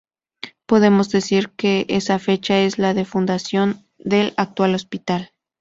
Podemos decir que esa fecha es la de fundación del actual hospital.